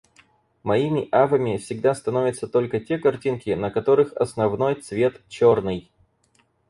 Моими авами всегда становятся только те картинки, на которых основной цвет — чёрный.